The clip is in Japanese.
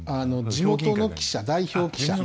地元の記者代表記者３０票。